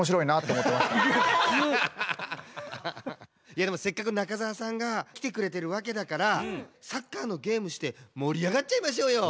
いやでもせっかく中澤さんがきてくれてるわけだからサッカーのゲームしてもりあがっちゃいましょうよ。